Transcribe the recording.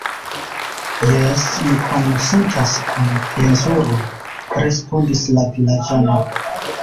Jes, mi konsentas kun plezuro, respondis la vilaĝano.